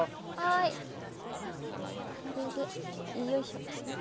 これでよいしょ。